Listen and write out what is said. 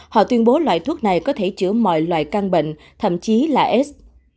họ tuyên bố loại thuốc này có thể chữa mọi loại căng bệnh thậm chí là aids